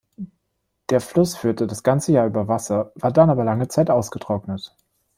Der Fluss führte das ganze Jahr über Wasser, war dann aber lange Zeit ausgetrocknet.